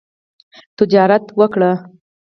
تجارت وکړئ